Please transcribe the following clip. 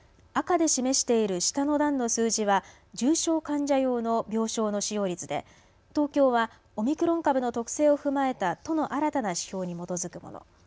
赤で示している下の段の数字は重症患者用の病床の使用率で東京はオミクロン株の特性を踏まえた都の新たな指標に基づくもの。